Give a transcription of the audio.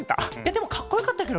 でもかっこよかったケロ。